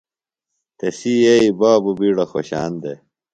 تسی یئیے بابوۡ بِیڈہ خوۡشان دےۡ۔